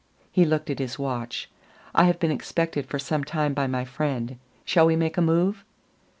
He looked at his watch. "I have been expected for some time by my friend. Shall we make a move?"